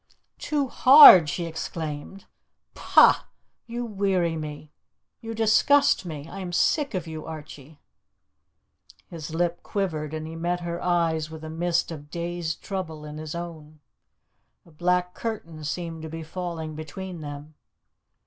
"Too hard!" she exclaimed. "Pah! you weary me you disgust me. I am sick of you, Archie!" His lip quivered, and he met her eyes with a mist of dazed trouble in his own. A black curtain seemed to be falling between them.